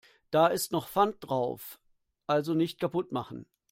Da ist noch Pfand drauf, also nicht kaputt machen.